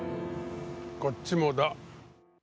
こっちもだ。